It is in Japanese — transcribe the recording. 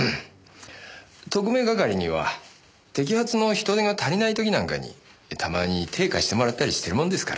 特命係には摘発の人手が足りない時なんかにたまに手貸してもらったりしてるもんですから。